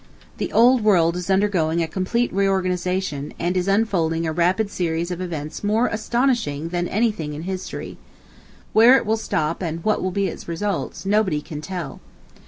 The old world is undergoing a complete reorganization, and is unfolding a rapid series of events more astonishing than anything in history. Where it will stop, and what will be its results, nobody can tell.